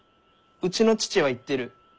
うちの父は言ってる。